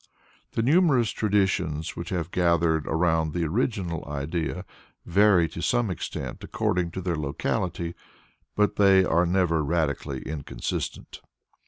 The numerous traditions which have gathered around the original idea vary to some extent according to their locality, but they are never radically inconsistent.